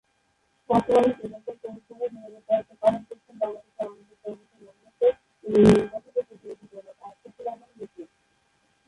বর্তমানে বেনাপোল পৌরসভার মেয়রের দায়িত্ব পালন করছেন বাংলাদেশ আওয়ামীলীগ দল হতে মনোনীত এবং নির্বাচিত প্রতিনিধি জনাব আশরাফুল আলম লিটন।